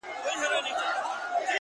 مُريد ښه دی ملگرو او که پير ښه دی!